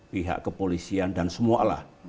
pihak kepolisian dan semua alat